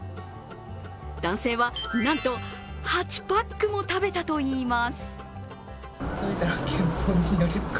男性はなんと８パックも食べたといいます。